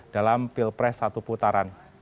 dalam pilpres satu putaran